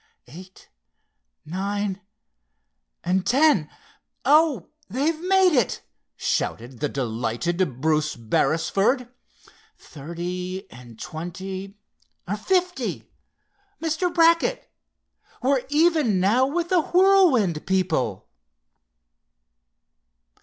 "Eight, nine and ten—oh, they've made it!" shouted the delighted Bruce Beresford. "Thirty and twenty are fifty. Mr. Brackett, we're even now with the Whirlwind people!"